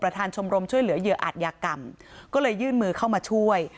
ชมรมช่วยเหลือเหยื่ออาจยากรรมก็เลยยื่นมือเข้ามาช่วย